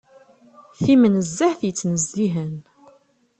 Timnezzeht yettnezzihen.